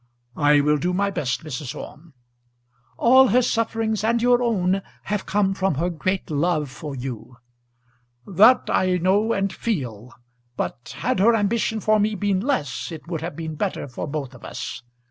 "I will do my best, Mrs. Orme." "All her sufferings and your own, have come from her great love for you." "That I know and feel, but had her ambition for me been less it would have been better for both of us."